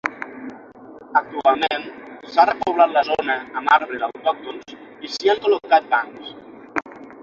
Actualment, s'ha repoblat la zona amb arbres autòctons i s'hi han col·locat bancs.